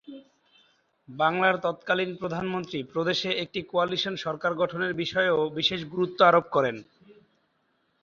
বাংলার তৎকালীন প্রধানমন্ত্রী প্রদেশে একটি কোয়ালিশন সরকার গঠনের বিষয়েও বিশেষ গুরুত্ব আরোপ করেন।